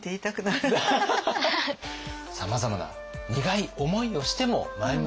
さまざまな苦い思いをしても前向きに進んだ聖武。